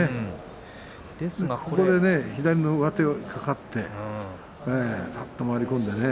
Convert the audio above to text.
ここで左の上手かかってさっと回り込んでね。